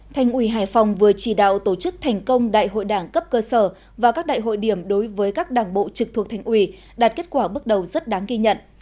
thành ủy hải phòng vừa chỉ đạo tổ chức thành công đại hội đảng cấp cơ sở và các đại hội điểm đối với các đảng bộ trực thuộc thành ủy đạt kết quả bước đầu rất đáng ghi nhận